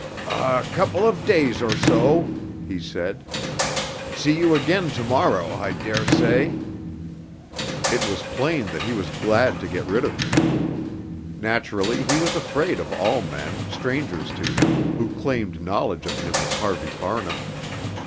"A couple of days or so," he said. "See you again to morrow, I daresay." It was plain that he was glad to get rid of me. Naturally he was afraid of all men, strangers to him, who claimed knowledge of him as Harvey Farnham.